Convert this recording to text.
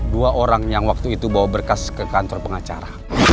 dua orang yang waktu itu bawa berkas ke kantor pengacara